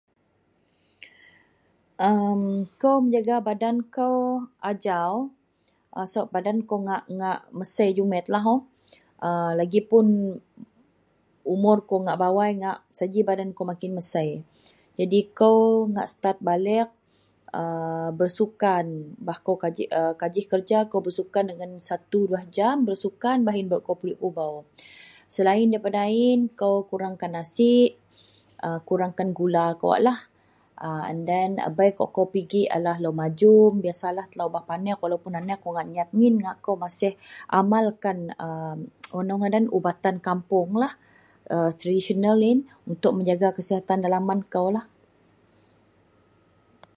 Aku menjaga badan kou a jau Sebab badan kou ngak mesei ngak jumet umur ko ngak bawai umur ko ngak gak bau start bersukan dagen 1 - 2 jam baih yian pulik lebok aku mengurangkan keman nasi, gula jegam aku masih megamalkan perubatan kampung. Kou menjaga badan kou supaya Nampak cantiek . Selalu.